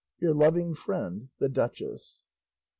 Your loving friend, THE DUCHESS.